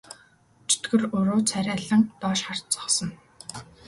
Чөтгөр уруу царайлан доош харж зогсоно.